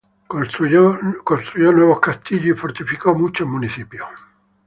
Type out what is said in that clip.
Construyó nuevos castillos y fortificó muchos municipios.